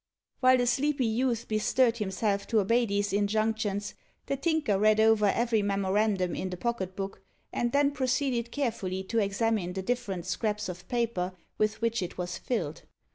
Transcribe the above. While the sleepy youth bestirred himself to obey these injunctions, the Tinker read over every memorandum in the pocket book, and then proceeded carefully to examine the different scraps of paper with which it was filled.